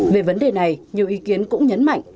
về vấn đề này nhiều ý kiến cũng nhấn mạnh